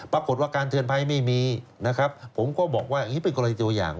ปรากฏว่าการเตือนภัยไม่มีนะครับผมก็บอกว่าเป็นกรณีตัวอย่าง